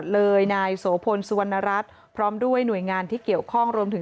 อ๋อเข้าเกียร์มาที่นี่ที่ฟอร์ตรุป